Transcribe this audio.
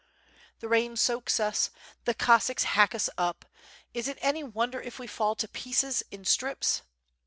The rain soaks us, the Cossacks hack us up, is it any wonder if we fall to pieces in strips?